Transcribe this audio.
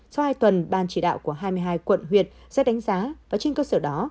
sau hai tuần ban chỉ đạo của hai mươi hai quận huyện sẽ đánh giá và trên cơ sở đó